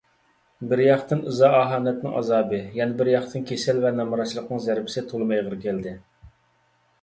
بىرياقتىن ئىزا - ئاھانەتنىڭ ئازابى، يەنە بىرياقتىن كېسەل ۋە نامراتچىلىقنىڭ زەربىسى تولىمۇ ئېغىر كەلدى.